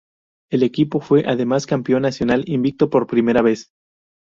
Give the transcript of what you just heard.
El equipo fue además campeón nacional invicto por primera vez.